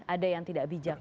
ada yang tidak bijak